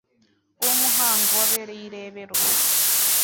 uwo muhango wabereye i Rebero